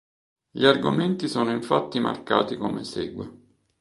Gli argomenti sono infatti marcati come segue.